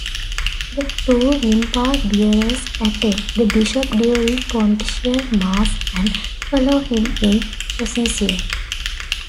The two vimpa-bearers attend the bishop during Pontifical Mass, and follow him in procession.